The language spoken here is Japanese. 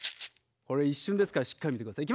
これ一瞬ですからしっかり見てください。